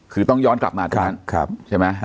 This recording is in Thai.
คือต้องย้อนกลับมาตรงนั้นใช่ไหม